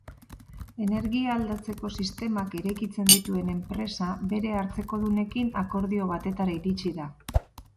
Energia aldatzeko sistemak eraikitzen dituen enpresa bere hartzekodunekin akordio batetara iritsi da.